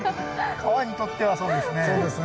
川にとってはそうですね。